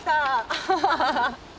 アハハハハ。